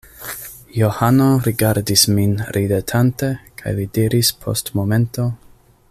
Johano rigardis min ridetante, kaj li diris post momento: